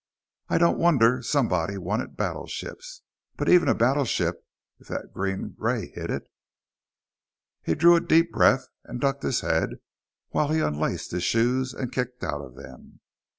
"I don't wonder somebody wanted battleships. But even a battleship, if that green ray hit it " He drew a deep breath and ducked his head while he unlaced his shoes and kicked out of them.